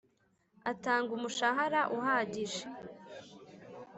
Atanga umushahara uhagije